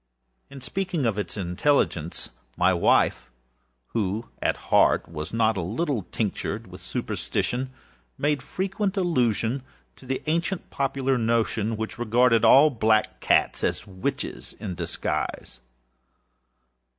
In speaking of his intelligence, my wife, who at heart was not a little tinctured with superstition, made frequent allusion to the ancient popular notion, which regarded all black cats as witches in disguise.